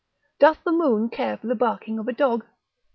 Doth the moon care for the barking of a dog?